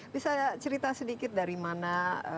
bisa cerita sedikit dari mana